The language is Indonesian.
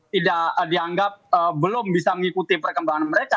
tidak dianggap belum bisa mengikuti perkembangan mereka